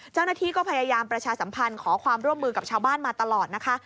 เจ้าหน้าที่ก็พยายามประชาสัมพันธ์ขอความร่วมมือกับชาวบ้านมาตลอดนะคะ